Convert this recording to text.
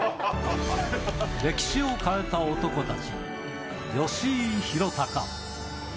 歴史を変えた男たち、吉井裕鷹。